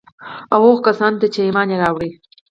او هغو کسان ته چي ايمان ئې راوړى